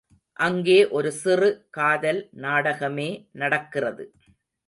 அங்கே ஒரு சிறு காதல் நாடகமே நடக்கிறது.